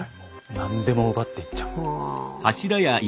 何でも奪っていっちゃうんです。